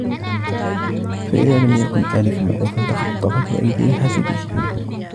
فَإِذَا لَمْ يَكُنْ آلِفًا مَأْلُوفًا تَخَطَّفَتْهُ أَيْدِي حَاسِدِيهِ